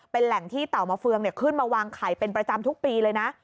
เป็นแหล่งที่เต่ามาเฟืองขึ้นมาวางไข่เป็นประจำทุกปีเลยนะ